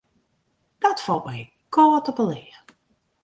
Dat falt my kâld op 'e lea.